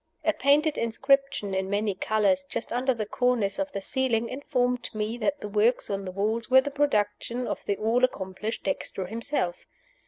A painted inscription in many colors, just under the cornice of the ceiling, informed me that the works on the walls were the production of the all accomplished Dexter himself.